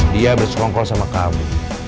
dia bersongkol sama kamu